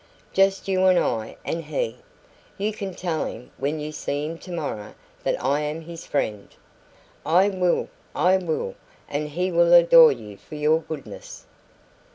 Just you and I and he. You can tell him, when you see him tomorrow, that I am his friend." "I will I will! And he will adore you for your goodness."